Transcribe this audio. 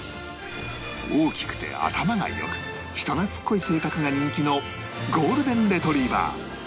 大きくて頭が良く人懐っこい性格が人気のゴールデン・レトリーバー